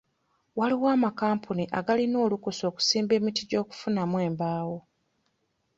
Waliwo amakampuni agalina olukusa okusimba emiti gy'okufunamu embaawo.